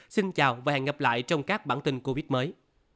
xin chào và hẹn gặp lại trong các bản tin covid mới